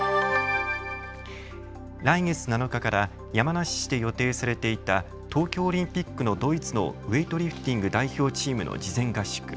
来月７日から山梨市で予定されていた東京オリンピックのドイツのウエイトリフティング代表チームの事前合宿。